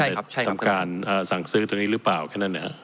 ว่าท่านทำการศังซื้อเพื่อนรึเปล่าก็นั่นนน้๊ะ